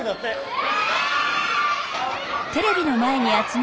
え！